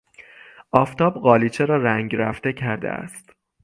آفتاب قالیچه را رنگ رفته کرده است.